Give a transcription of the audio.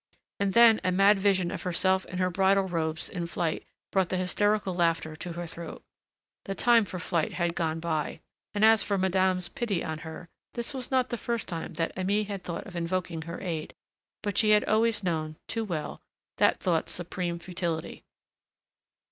And then a mad vision of herself in her bridal robes in flight, brought the hysterical laughter to her throat. The time for flight had gone by ... And as for madame's pity on her this was not the first time that Aimée had thought of invoking her aid, but she had always known, too well, that thought's supreme futility.